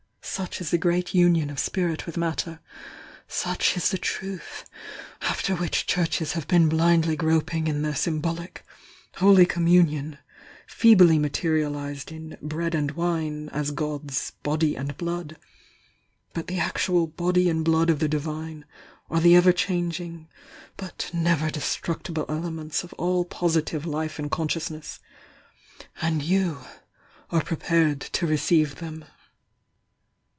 Such is the great union o 288 THE YOUNG DIANA m' ir Spirit with Matter — such is the truth after which the Churches have been blindly groping in their symbolic 'holy conununion' feebly materialised in 'bread and wine' as God's 'body and blood.' But the actual 'body and blood' of the Divine are the ever changing but never destructible elements of all posi tive Life and Consciousness. And you are prepared to receive them."